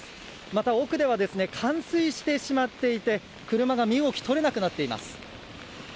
また奥では冠水してしまっていて車が身動き取れなくなっています。